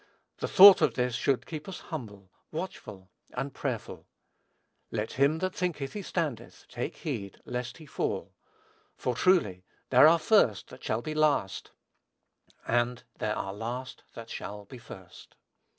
The thought of this should keep us humble, watchful, and prayerful. "Let him that thinketh he standeth take heed lest he fall," for truly, "there are first that shall be last, and there are last that shall be first."